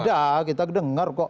ada kita dengar kok